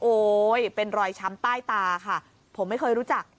เป็นรอยช้ำใต้ตาค่ะผมไม่เคยรู้จัก